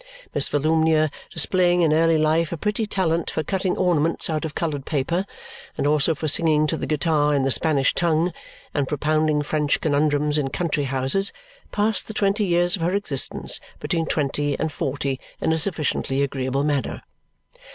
Miss Volumnia, displaying in early life a pretty talent for cutting ornaments out of coloured paper, and also for singing to the guitar in the Spanish tongue, and propounding French conundrums in country houses, passed the twenty years of her existence between twenty and forty in a sufficiently agreeable manner.